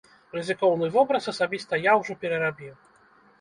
Рызыкоўны вобраз асабіста я ўжо перарабіў.